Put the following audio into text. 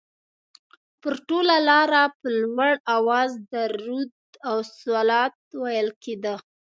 پر ټوله لاره په لوړ اواز درود او صلوات ویل کېده.